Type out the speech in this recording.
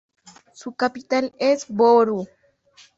Su capital es Võru.